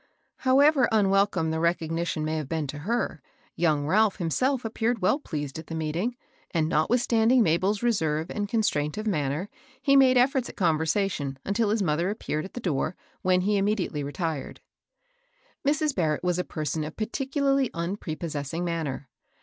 However unwelcome the recognition may have been to her, young Ralph himself appeared well pleased at the meeting ; and, notwithstanding Ma bel's reserve and constraint of manner, he made eflbrts at conversation until his mother appeared at the door, when he immediately retired. 20 306 MABEL BOSS. Mrs. Barrett was a person of particularly unpre possessing manner.